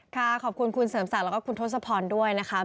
ค่ะขอบคุณคุณเสริมสารแล้วก็ทศพรด้วยนะคะ